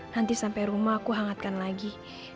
nanti sampai rumah aku hangatkan lagi